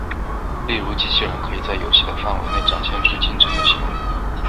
例如机器人可以在游戏的范围内展现出竞争的行为。